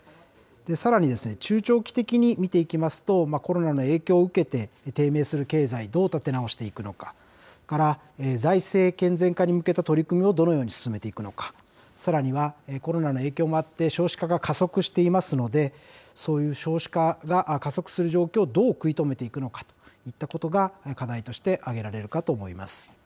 さらに、中長期的に見ていきますと、コロナの影響を受けて、低迷する経済、どう立て直していくのか、それから財政健全化に向けた取り組みをどのように進めていくのか、さらにはコロナの影響もあって、少子化が加速していますので、そういう少子化が加速する状況をどう食い止めていくのかといったことが課題として挙げられるかと思います。